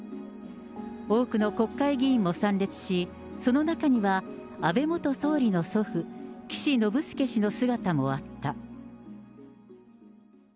多くの国会議員も参列し、その中には安倍元総理の祖父、岸信介氏の姿もあった。